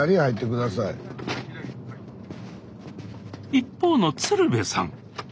一方の鶴瓶さん